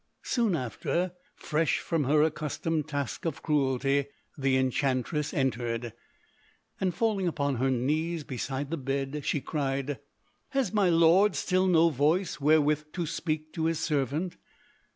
Soon after, fresh from her accustomed task of cruelty, the enchantress entered, and falling upon her knees beside the bed she cried, "Has my lord still no voice wherewith to speak to his servant?